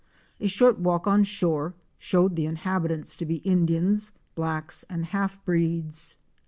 3 A short walk on shore showed the inhabitants to be Indians, blacks and half breeds.